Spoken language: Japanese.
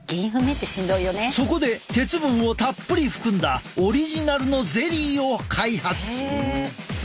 そこで鉄分をたっぷり含んだオリジナルのゼリーを開発。